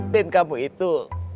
ben kamu itu